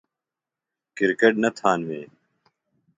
کرکٹ نہ تھانوے ؟